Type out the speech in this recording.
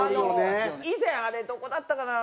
以前あれどこだったかな？